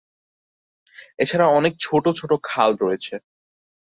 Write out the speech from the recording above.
এছাড়া অনেক ছোট ছোট খাল রয়েছে।